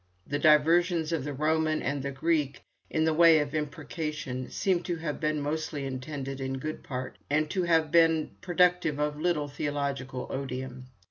The diversions of the Roman and the Greek in the way of imprecation seem to have been mostly intended in good part, and to have been productive of little theological odium.